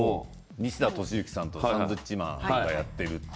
西田敏行さんとサンドウィッチマンがやっているという。